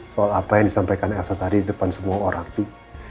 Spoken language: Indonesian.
soal apa yang disampaikan elsa tadi di depan semua orang tuh